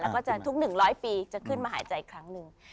แล้วก็จะทุกหนึ่งร้อยปีจะขึ้นมาหายใจอีกครั้งหนึ่ง